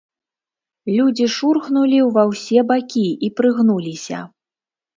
Людзі шурхнулі ўва ўсе бакі і прыгнуліся.